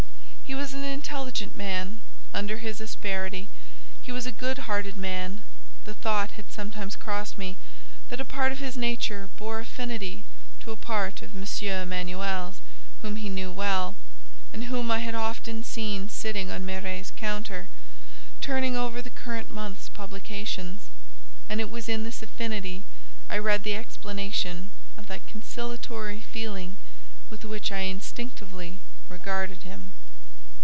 He was an intelligent man; under his asperity, he was a good hearted man; the thought had sometimes crossed me, that a part of his nature bore affinity to a part of M. Emanuel's (whom he knew well, and whom I had often seen sitting on Miret's counter, turning over the current month's publications); and it was in this affinity I read the explanation of that conciliatory feeling with which I instinctively regarded him.